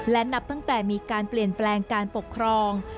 และนับตั้งแต่มีการเปลี่ยนแปลงการปกครอง